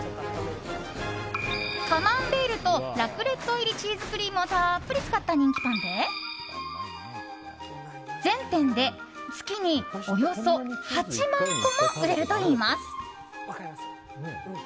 カマンベールとラクレット入りチーズクリームをたっぷり使った人気パンで全店で、月におよそ８万個も売れるといいます。